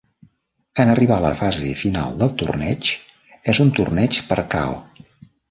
En arribar a la fase final del torneig, és un torneig per KO.